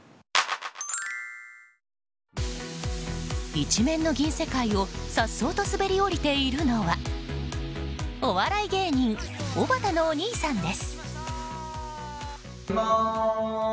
一面の銀世界を颯爽と滑り降りているのはお笑い芸人おばたのお兄さんです。